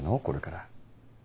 これから。